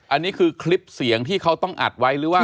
อันนี้คือคลิปเสียงที่เขาต้องอัดไว้หรือว่า